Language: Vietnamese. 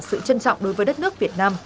sự trân trọng đối với đất nước việt nam